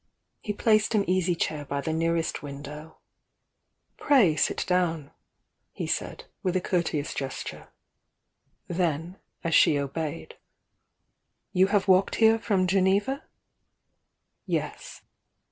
He placed an easy chair by the nearest window. "Pray sit down !" he said, with a courteous gesture, — then, as she obeyed: "You have walked here from Geneva?" "Yes."